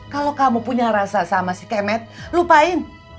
kalau kamu punya rasa sama si kemet lupain